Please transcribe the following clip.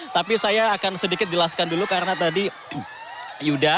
tapi saya akan sedikit jelaskan dulu karena tadi yuda